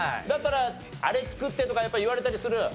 だったら「あれ作って」とかやっぱり言われたりする？